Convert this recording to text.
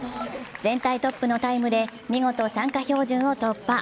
全体トップのタイムで見事、参加標準を突破。